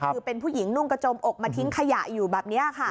คือเป็นผู้หญิงนุ่งกระจมอกมาทิ้งขยะอยู่แบบนี้ค่ะ